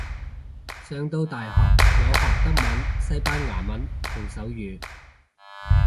上到大學有學德文西班牙文同手語